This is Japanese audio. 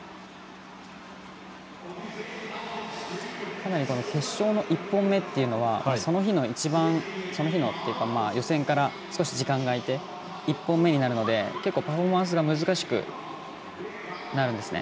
かなり決勝の１本目というのは予選から少し時間が空いて１本目になるので結構、パフォーマンスが難しくなるんですね。